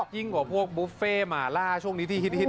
ยิ่งกว่าพวกบุฟเฟ่หมาล่าช่วงนี้ที่ฮิต